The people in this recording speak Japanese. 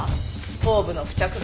頭部の付着物。